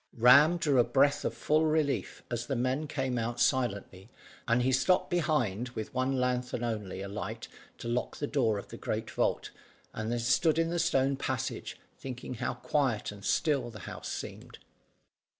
Ram drew a breath full of relief as the men came out silently, and he stopped behind with one lanthorn only alight to lock the door of the great vault, and then stood in the stone passage, thinking how quiet and still the house seemed.